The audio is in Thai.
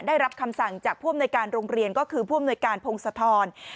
ได้รับคำสั่งจากผู้อำนวยการโรงเรียนก็คือผู้อำนวยการพงศธร